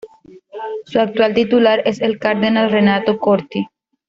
Su actual titular es el cardenal Renato Corti.